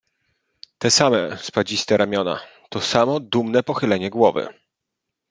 "Te same spadziste ramiona, to samo dumne pochylenie głowy."